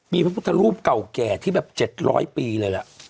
มีภาพฤทธารูปเก่าแก่ที่แบบเจ็บร้อยปีเลยล่ะ